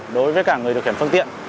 đối với cả người điều khiển phương tiện